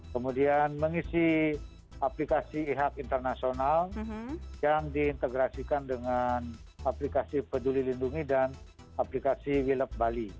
kemudian mengisi aplikasi ihak internasional yang diintegrasikan dengan aplikasi peduli lindungi dan aplikasi willep bali